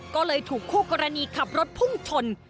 ก็เลยถูกคู่กรณีขับรถพุ่งชน